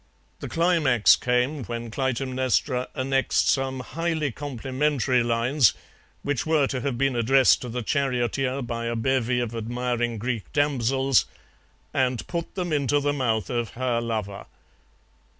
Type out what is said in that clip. The climax came when Clytemnestra annexed some highly complimentary lines, which were to have been addressed to the charioteer by a bevy of admiring Greek damsels, and put them into the mouth of her lover.